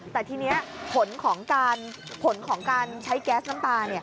แต่ทีนี้ผลของผลของการใช้แก๊สน้ำตา